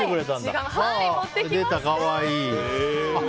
出た、可愛い。